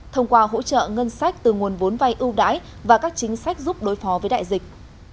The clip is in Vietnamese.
thông qua hỗ trợ ngân sách từ nguồn vốn vay ưu đãi và các chính sách giúp đối phó với đại dịch